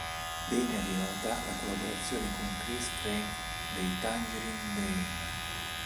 Degna di nota la collaborazione con Chris Franke dei Tangerine Dream.